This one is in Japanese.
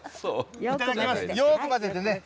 よーく混ぜてね。